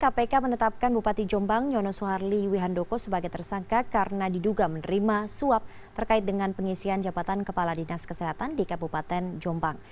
kpk menetapkan bupati jombang nyono soeharli wihandoko sebagai tersangka karena diduga menerima suap terkait dengan pengisian jabatan kepala dinas kesehatan di kabupaten jombang